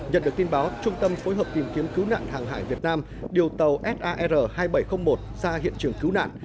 nhận được tin báo trung tâm phối hợp tìm kiếm cứu nạn hàng hải việt nam điều tàu sar hai nghìn bảy trăm linh một ra hiện trường cứu nạn